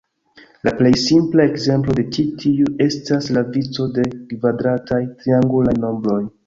La plej simpla ekzemplo de ĉi tiu estas la vico de kvadrataj triangulaj nombroj.